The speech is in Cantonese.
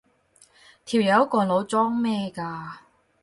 條友個腦裝咩㗎？